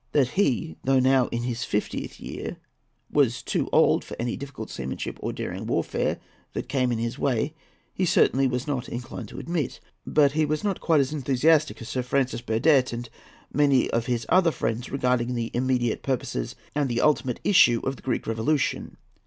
That he, though now in his fiftieth year, was too old for any difficult seamanship or daring warfare that came in his way he certainly was not inclined to admit; but he was not quite as enthusiastic as Sir Francis Burdett and many of his other friends regarding the immediate purposes and the ultimate issue of the Greek Revolution.